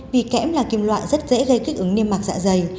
vì kẽm là kim loại rất dễ gây kích ứng niêm mạc dạ dày